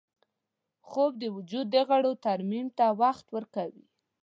خوب د وجود د غړو ترمیم ته وخت ورکوي